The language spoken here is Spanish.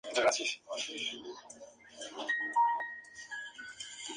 Nacido y crecido en Greenwich Village, es de ascendencia italiana y neerlandesa.